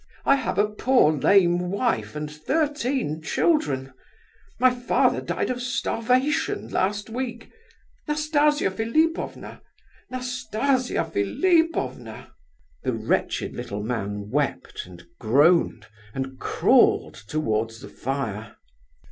I have a poor lame wife and thirteen children. My father died of starvation last week. Nastasia Philipovna, Nastasia Philipovna!" The wretched little man wept, and groaned, and crawled towards the fire.